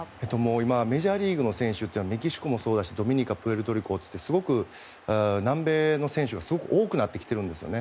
今メジャーリーグの選手はメキシコもそうだしドミニカ、プエルトリコとすごく南米の選手が多くなってきているんですよね。